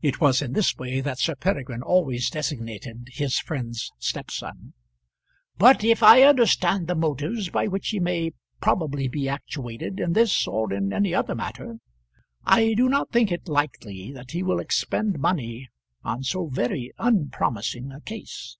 It was in this way that Sir Peregrine always designated his friend's stepson "but if I understand the motives by which he may probably be actuated in this or in any other matter, I do not think it likely that he will expend money on so very unpromising a case."